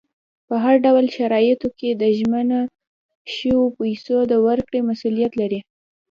په هر ډول شرایطو کې د ژمنه شویو پیسو د ورکړې مسولیت لري.